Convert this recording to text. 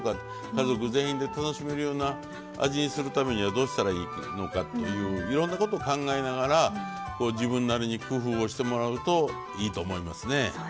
家族全員で楽しめるような味にするためにはどうしたらいいのかといういろんなことを考えながら自分なりに工夫をしてもらうといいと思いますね。